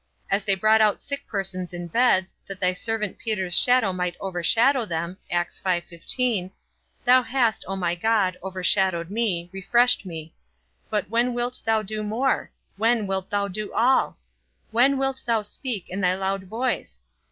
As they brought out sick persons in beds, that thy servant Peter's shadow might over shadow them, thou hast, O my God, over shadowed me, refreshed me; but when wilt thou do more? When wilt thou do all? When wilt thou speak in thy loud voice?